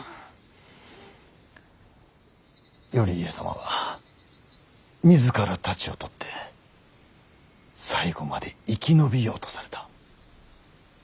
頼家様は自ら太刀を取って最後まで生き延びようとされた。